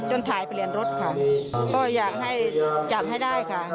ถ่ายไปเรียนรถค่ะก็อยากให้จับให้ได้ค่ะ